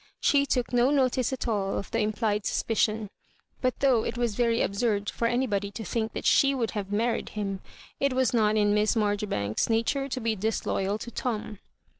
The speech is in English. She took no notice at all of the implied suspicion. But though it was very ab surd for anybody to think that she would have married him, it was not in Miss Marjoribanks's nature to be disloyal to Tom.